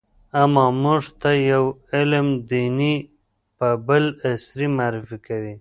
اما موږ ته يو علم دیني او بل عصري معرفي کوي.